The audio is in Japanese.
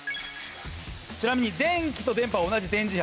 ちなみに電気と電波は同じ電磁波。